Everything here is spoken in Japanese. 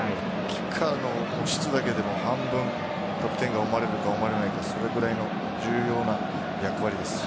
キッカーの質だけで半分、得点が生まれるか生まれないか、それくらい重要な役割です。